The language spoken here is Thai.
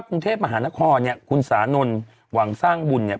กรุงเทพมหานครเนี่ยคุณสานนท์หวังสร้างบุญเนี่ย